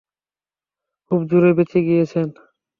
খুব জোর বেঁচে গিয়েছেন!